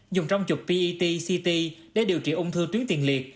dùng trong chục pet ct để điều trị ung thư tuyến tiền liệt